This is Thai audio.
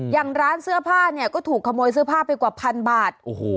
อย่างร้านเสื้อผ้าเนี่ยก็ถูกขโมยเสื้อผ้าไปกว่าพันบาท